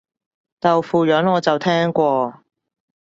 豆腐膶我就聽過